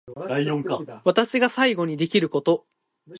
私が最後にできること